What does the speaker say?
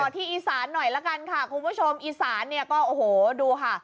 ที่อีสานหน่อยละกันค่ะคุณผู้ชมอีสานเนี่ยก็โอ้โหดูค่ะ